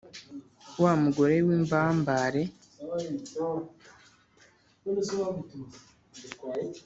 wa mugore w ‘imbambare